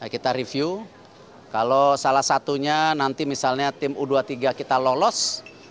kita review kalau salah satunya nanti misalnya tim u dua puluh tiga kita lolos